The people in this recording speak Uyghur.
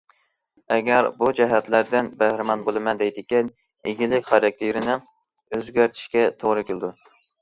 ئەگەر بۇ جەھەتلەردىن بەھرىمەن بولىمەن دەيدىكەن ئىگىلىك خاراكتېرىنى ئۆزگەرتىشكە توغرا كېلىدۇ.